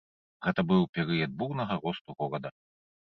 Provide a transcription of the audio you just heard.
Гэта быў перыяд бурнага росту горада.